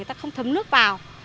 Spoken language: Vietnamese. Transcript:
để người ta không thấm nước vào